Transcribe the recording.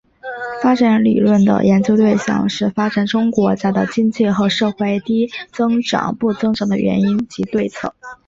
发展理论的研究对象是发展中国家的经济和社会低增长不增长的原因及对策。